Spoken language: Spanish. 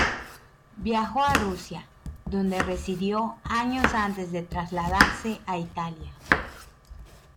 Viajó a Rusia, donde residió años antes de trasladarse a Italia.